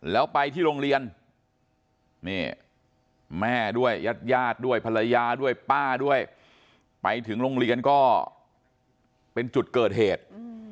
แล้วไปที่โรงเรียนนี่แม่ด้วยญาติญาติด้วยภรรยาด้วยป้าด้วยไปถึงโรงเรียนก็เป็นจุดเกิดเหตุ